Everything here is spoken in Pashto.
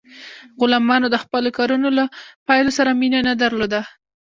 غلامانو د خپلو کارونو له پایلو سره مینه نه درلوده.